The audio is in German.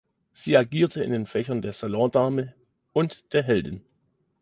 Sie agierte in den Fächern der Salondame und der Heldin.